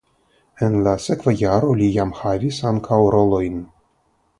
En la sekva jaro li jam havis ankaŭ rolojn.